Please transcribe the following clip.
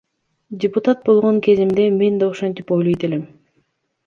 Депутат болгон кезимде мен да ошентип ойлойт элем.